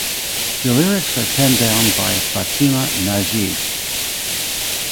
The lyrics are penned down by Fatima Najeeb.